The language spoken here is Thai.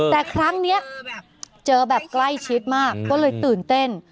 แต่ครั้งนี้เจอแบบใกล้ชิดมากก็เลยตื่นเต้น